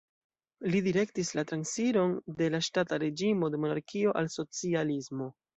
Li direktis la transiron de la ŝtata reĝimo de monarkio al socialismo.